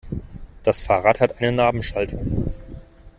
Das Fahrrad hat eine Nabenschaltung.